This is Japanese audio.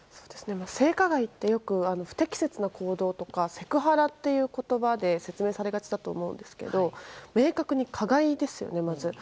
性加害ってよく不適切な行動とかセクハラという言葉で説明されがちだと思うんですけど明確に加害ですよね、まず。